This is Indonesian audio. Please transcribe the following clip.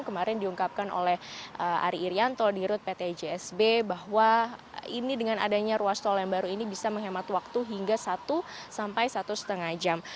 kemarin diungkapkan oleh ari irianto di rut pt jsb bahwa ini dengan adanya ruas tol yang baru ini bisa menghemat waktu hingga satu sampai satu lima jam